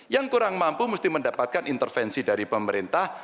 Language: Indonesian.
yang kurang mampu mesti mendapatkan intervensi dari pemerintah